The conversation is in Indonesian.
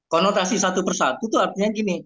konotasi satu persatu itu artinya gini